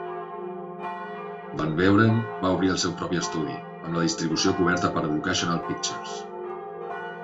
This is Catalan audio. Van Beuren va obrir el seu propi estudi, amb la distribució coberta per Educational Pictures.